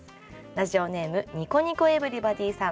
ラジオネームニコニコ・エブリバディーさん。